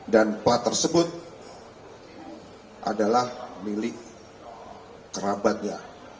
dan plat tersebut adalah milik kerabatnya